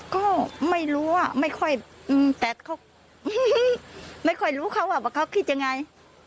ก็ไม่รู้อ่ะไม่ค่อยแต่เขาไม่ค่อยรู้เขาว่าเขาคิดยังไง